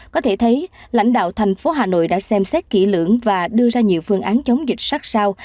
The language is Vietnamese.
có thể thấy lãnh đạo thành phố hà nội đã xem xét kỹ lưỡng và đưa ra nhiều phương án chống dịch sát sao